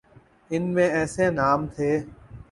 ان میں ایسے نام تھے۔